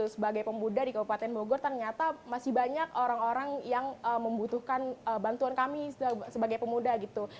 sebagai pemuda di kabupaten bogor ternyata masih banyak orang orang yang membutuhkan bantuan kami sebagai pemuda gitu